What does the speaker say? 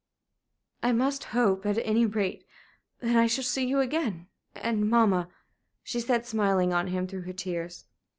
"I must hope, at any rate, that I shall see you again and mamma," she said, smiling on him through her tears.